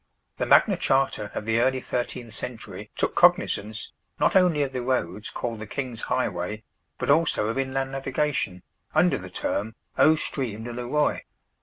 The Magna Charta of the early 13th century took cognizance, not only of the roads, called "The King's Highway," but also of inland navigation, under the term "Haut streames de le Roy."